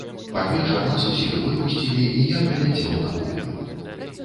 Пад вечар усіх нас выпусцілі, і я прыляцеў на кухню.